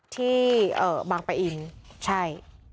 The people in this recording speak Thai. ที่บางปะอินใช่